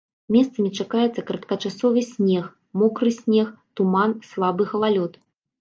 Месцамі чакаецца кароткачасовы снег, мокры снег, туман, слабы галалёд.